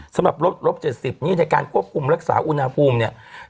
สำหรับลบ๗๐นี่ในการควบคุมรักษาอุณหภูมิเนี่ย